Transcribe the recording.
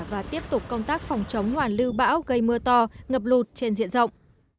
và tiếp tục công tác phòng chống hoàn lưu bão gây mưa to ngập lụt trên diện rộng